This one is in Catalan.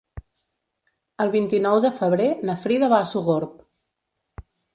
El vint-i-nou de febrer na Frida va a Sogorb.